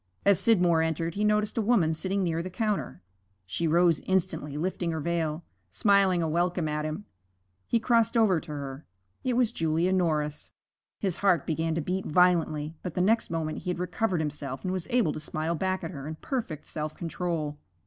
As Scidmore entered he noticed a woman sitting near the counter. She rose instantly, lifting her veil, smiling a welcome at him. He crossed over to her it was Julia Norris. His heart began to beat violently, but the next moment he had recovered himself and was able to smile back at her in perfect self control.